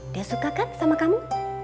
dia suka kan sama kamu